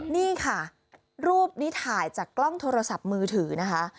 นี่ค่ะรูปนี้ถ่ายจากกล้องโทรศัพท์มือถือนะคะ